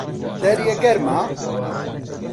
دەرێ گەرمە؟